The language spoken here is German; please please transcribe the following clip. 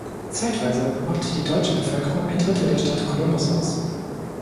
Zeitweise machte die deutsche Bevölkerung ein Drittel der Stadt Columbus aus.